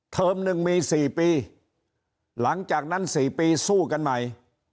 เทอมหนึ่งมีสี่ปีหลังจากนั้นสี่ปีสู้กันใหม่